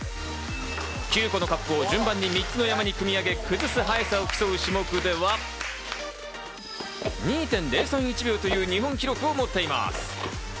９個のカップを順番に３つの山にくみ上げ、崩す速さを競う種目では、２．０３１秒という日本記録を持っています。